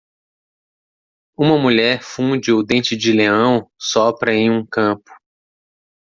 Uma mulher funde o dente-de-leão sopra em um campo.